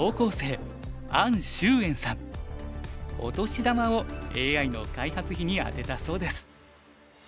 お年玉をＡＩの開発費にあてたそうです。